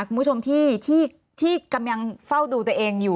คุณผู้ชมที่กำลังเฝ้าดูตัวเองอยู่